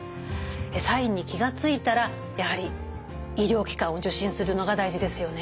サインに気が付いたらやはり医療機関を受診するのが大事ですよね。